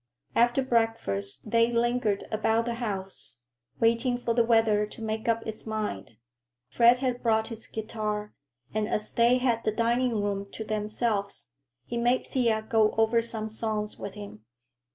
After breakfast they lingered about the house, waiting for the weather to make up its mind. Fred had brought his guitar, and as they had the dining room to themselves, he made Thea go over some songs with him.